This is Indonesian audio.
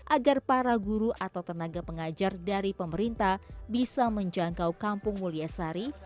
agar para guru atau tenaga pengajar dari pemerintah bisa menjangkau kampung mulyasari